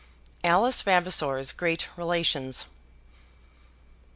Alice Vavasor's Great Relations.